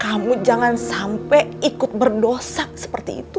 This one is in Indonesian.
kamu jangan sampai ikut berdosa seperti itu